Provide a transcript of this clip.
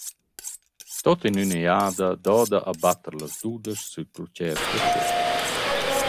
Tuot in üna jada doda a batter las dudesch sül clucher da Tschierv.